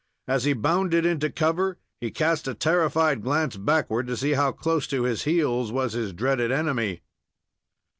As he bounded into cover, he cast a terrified glance backward, to see how close to his heels was his dreaded enemy.